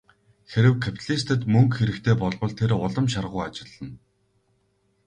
Хэрэв капиталистад мөнгө хэрэгтэй болбол тэр улам шаргуу ажиллана.